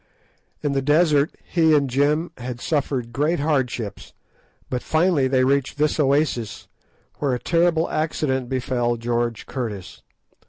In the desert he and Jim had suffered great hardships, but finally they reached this oasis, where a terrible accident befell George Curtis.